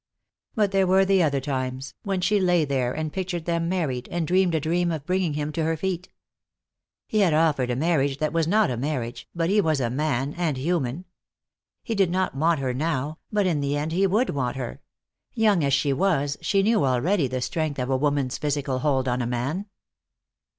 But there were the other times, when she lay there and pictured them married, and dreamed a dream of bringing him to her feet. He had offered a marriage that was not a marriage, but he was a man, and human. He did not want her now, but in the end he would want her; young as she was she knew already the strength of a woman's physical hold on a man.